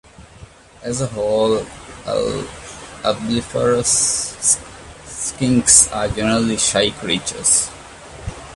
As a whole, "Ablepharus" skinks are generally shy creatures.